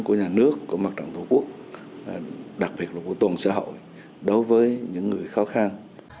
của nhà nước của mặt trận tổ quốc đặc biệt là của toàn xã hội đối với những người khó khăn